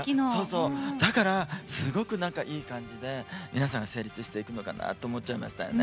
だから、すごくいい感じで、皆さん成立していくのかなと思っちゃいましたよね。